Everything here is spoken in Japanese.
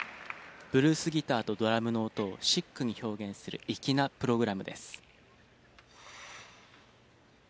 ブルースギターとドラムの音をシックに表現する粋なプログラムです。